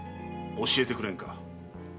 教えてくれんか？